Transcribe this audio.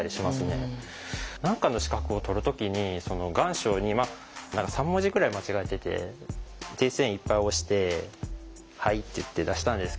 何かの資格を取る時に願書に３文字ぐらい間違えてて訂正印いっぱい押して「はい」って言って出したんですけど。